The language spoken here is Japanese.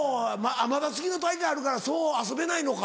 まだ次の大会あるからそう遊べないのか。